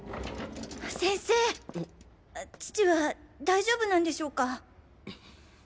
先生父は大丈夫なんでしょうか？